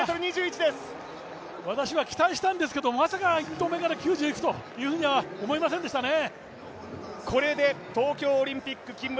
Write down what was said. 私は期待したんですけどまさか１投目から９０いくとは思いませんでしたね。